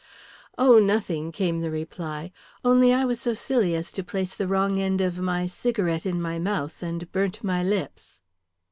"Oh, nothing," came the reply. "Only I was so silly as to place the wrong end of my cigarette in my mouth and burnt my lips.